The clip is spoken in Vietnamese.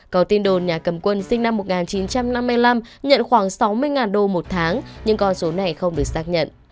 có tin đồn nhà cầm quân sinh năm một nghìn chín trăm năm mươi năm nhận khoảng sáu mươi đô một tháng nhưng con số này không được xác nhận